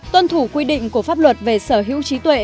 tuân thủ quy định của pháp luật về sở hữu trí tuệ